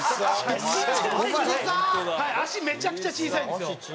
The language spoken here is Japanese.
めちゃくちゃ小さいんですよ。